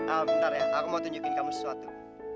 ah bentar ya aku mau tunjukin kamu sesuatu